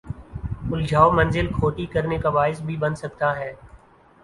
الجھاؤ منزل کھوٹی کرنے کا باعث بھی بن سکتا ہے۔